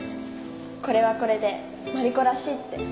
これはこれでマリコらしいって。